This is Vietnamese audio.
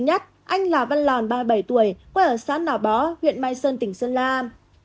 một anh lào văn lòn ba mươi bảy tuổi quê ở xã nào bó huyện mai sơn tỉnh sơn la